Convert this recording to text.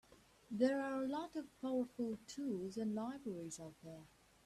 There are a lot of powerful tools and libraries out there.